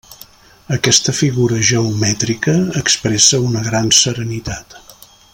Aquesta figura geomètrica expressa una gran serenitat.